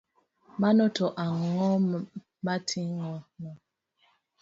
Mano to ang’o miting'ono?